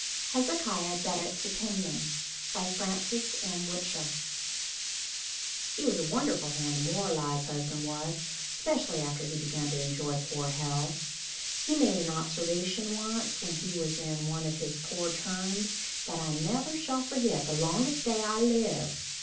HEZEKIAH BEDOTT'S OPINION BY FRANCES M. WHICHER He was a wonderful hand to moralize, husband was, 'specially after he begun to enjoy poor health. He made an observation once when he was in one of his poor turns, that I never shall forget the longest day I live.